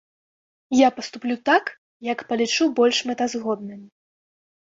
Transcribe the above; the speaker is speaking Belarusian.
Я паступлю так, як палічу больш мэтазгодным.